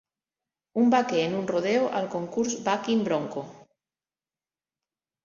Un vaquer en un rodeo al concurs Bucking Bronco.